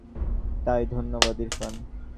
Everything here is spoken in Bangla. তাই ধন্যবাদ, ইরফান।